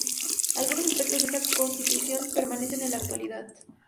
Algunos aspectos de esta constitución permanecen en la actualidad.